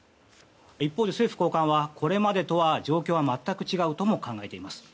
一方で政府高官はこれまでとは状況は全く違うとも考えています。